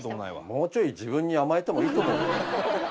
もうちょい自分に甘えてもいいと思うよ。